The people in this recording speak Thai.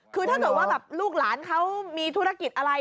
คือถ้าเกิดว่าแบบลูกหลานเขามีธุรกิจอะไร